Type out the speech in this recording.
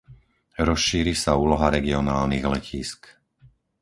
Rozšíri sa úloha regionálnych letísk.